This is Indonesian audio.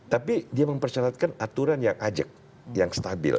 tapi dia mempersyaratkan aturan yang ajak yang stabil